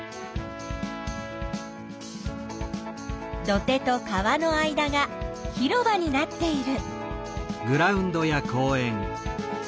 土手と川の間が広場になっている。